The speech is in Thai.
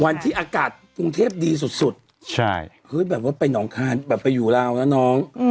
วันที่อากาศกรุงเทพดีสุดแบบว่าไปหนองคายแบบไปอยู่ลาวนะน้อง